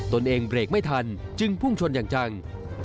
ตัวเองเบรกไม่ทันจึงพุ่งชนอย่างจัง